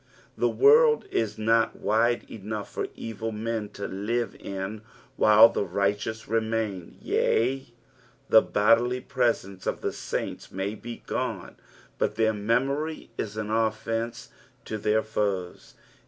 The world is not wide enough for evil men to live in while the righteous remain, yes. the bodily presence of the sjiints may be gone, but their memory is an offrnce to their foes.